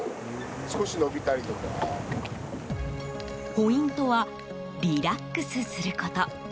ポイントはリラックスすること。